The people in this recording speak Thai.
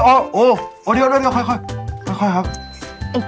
ฉันจะตัดพ่อตัดลูกกับแกเลย